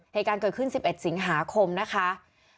เหตุการณ์เกิดขึ้น๑๑สิงหาคมนะคะ